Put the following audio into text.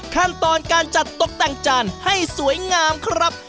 ขั้นตอนการจัดตกแต่งจานให้สวยงามครับ